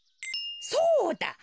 そうだ！